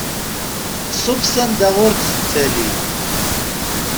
Tṣubb s anda ur d-tettali.